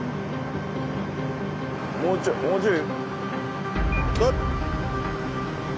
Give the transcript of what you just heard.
もうちょいもうちょい。